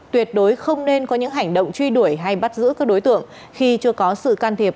tuyệt đối không nên có những hành động truy đuổi hay bắt giữ các đối tượng khi chưa có sự can thiệp